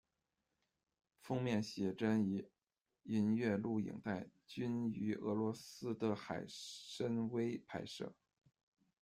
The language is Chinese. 封面写真与音乐录影带均于俄罗斯的海参崴拍摄。